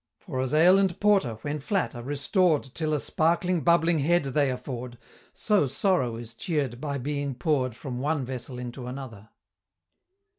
For as ale and porter, when flat, are restored Till a sparkling bubbling head they afford, So sorrow is cheer'd by being pour'd From one vessel into another.